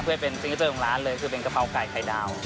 เพื่อให้เป็นซิงเกสเตอร์ของร้านเลยคือเป็นกะเพราไก่ไข่ดาว